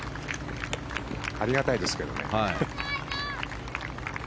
ありがたいですけどね。